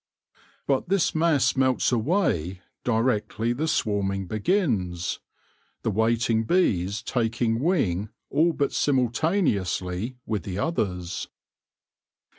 But this mass melts away directly the swarming begins, the waiting bees taking wing all but simultaneously with the others.